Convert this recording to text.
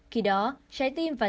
khi đó trái tim và dạ dày